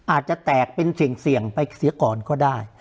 อาจจะแตกเป็นเสี่ยงไปเสียก่อนก็ได้